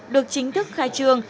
được chính thức khai trương